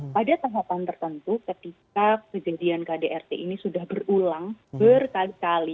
pada tahapan tertentu ketika kejadian kdrt ini sudah berulang berkali kali